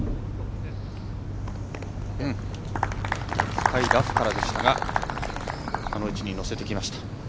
深いラフからでしたがあの位置に乗せてきました。